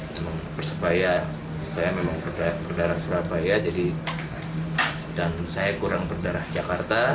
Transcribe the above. memang persebaya saya memang berdarah surabaya dan saya kurang berdarah jakarta